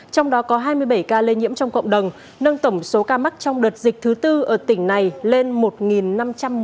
trong đó có hai mươi bảy ca lây nhiễm trong cộng đồng nâng tổng số ca mắc trong đợt dịch thứ tư ở tỉnh này lên một năm trăm một mươi ca